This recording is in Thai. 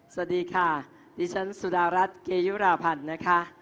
สวัสดีค่ะดิฉันสุดารัฐเกยุราพันธ์นะคะ